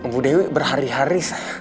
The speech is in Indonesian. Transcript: bu dewi berhari hari